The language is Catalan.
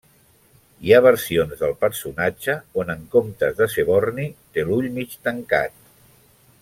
Hi ha versions del personatge on en comptes de ser borni té l'ull mig tancat.